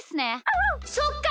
そっか。